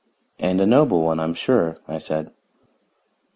"And a noble one, I'm sure," I said.